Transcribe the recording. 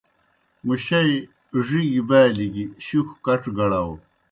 مُشَئی ڙِگیْ بالیْ گیْ شُکھوْ کڇ گڑاؤ۔